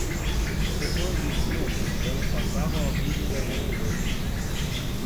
As pessoas diziam que os ciganos passavam a vida enganando os outros.